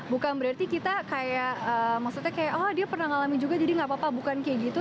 bukan berarti kita kayak maksudnya kayak oh dia pernah ngalamin juga jadi gak apa apa bukan kayak gitu